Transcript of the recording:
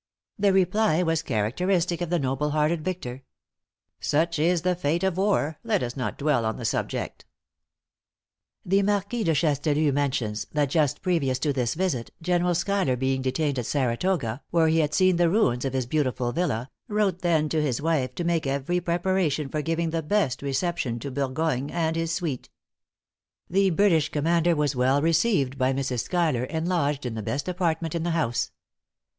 The reply was characteristic of the noble hearted victor: "Such is the fate of war; let us not dwell on the subject." The Marquis de Chastellux mentions, that just previous to this visit, General Schuyler being detained at Saratoga, where he had seen the ruins of his beautiful villa, wrote thence to his wife to make every preparation for giving the best reception to Burgoyne and his suite. "The British commander was well received by Mrs. Schuyler, and lodged in the best apartment in the house.